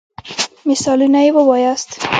مثالونه يي ووایاست.